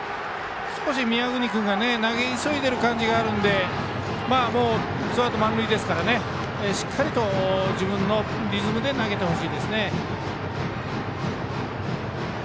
少し宮國君投げ急いでいる感じがあるのでツーアウト満塁ですからしっかりと自分のリズムで投げてほしいです。